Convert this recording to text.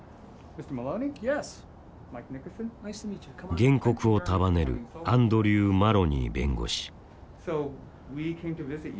原告を束ねるアンドリュー・マロニー弁護士。